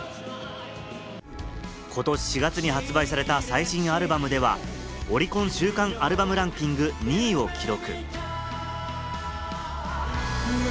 ことし４月に発売された最新アルバムでは、オリコン週間アルバムランキング２位を記録。